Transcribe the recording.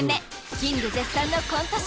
キング絶賛のコント師